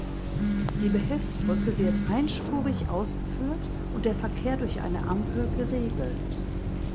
Die Behelfsbrücke wird einspurig ausgeführt und der Verkehr durch eine Ampel geregelt.